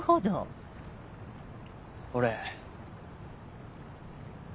俺。